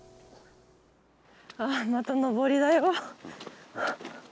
ああまた登りだよ。